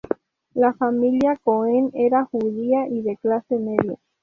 La familia Coen era judía y de clase media.